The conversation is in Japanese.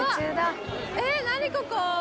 えっ何ここ！